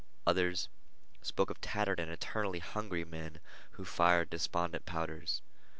Others spoke of tattered and eternally hungry men who fired despondent powders.